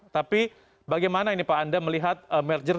tapi bagaimana ini pak anda melihat merger